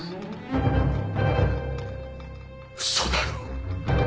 嘘だろ？